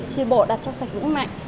chi bộ đạt trong sạch vững mạnh